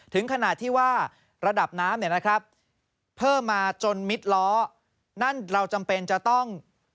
ถึงขนาดที่ว่าระดับน้ำเพิ่มมาจนมิดล้อนั่น